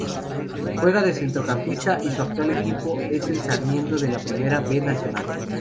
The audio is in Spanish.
Juega de centrocampista y su actual equipo es Sarmiento de la Primera B Nacional.